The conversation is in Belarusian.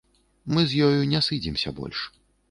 Мы з ёю не сыдземся больш.